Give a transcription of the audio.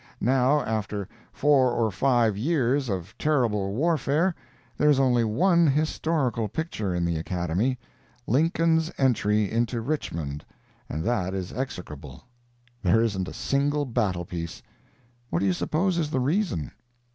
Now, after four or five years of terrible warfare, there is only one historical picture in the Academy—Lincoln's entry into Richmond—and that is execrable. There isn't a single battle piece. What do you suppose is the reason?